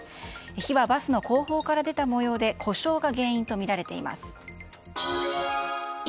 火はバスの後方から出た模様で故障が原因とみられています。